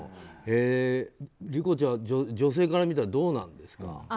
理子ちゃん、女性から見たらどうなんですか？